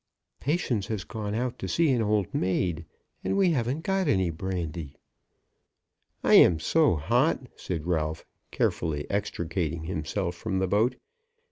"Patience has gone out to see an old maid; and we haven't got any brandy." "I am so hot," said Ralph, carefully extricating himself from the boat.